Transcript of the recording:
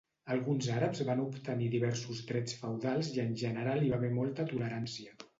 Alguns àrabs van obtenir diversos drets feudals i en general hi va haver molta tolerància.